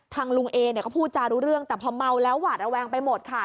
ทางลุงเอก็พูดจารู้เรื่องแต่พอเมาแล้วหวาดนแหวนไปหมดค่ะ